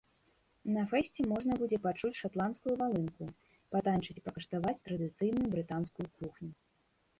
На фэсце можна будзе пачуць шатландскую валынку, патаньчыць і пакаштаваць традыцыйную брытанскую кухню.